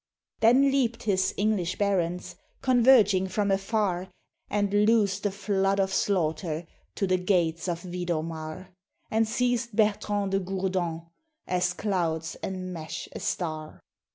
Then leaped his English barons, Converging from afar, And loosed the flood of slaughter To the gates of Vidomar; And seized Bertrand de Gourdon, As clouds enmesh a star.